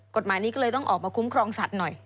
กฎหมายนี้ก็เลยต้องออกมาคุ้มครองสัตว์หน่อย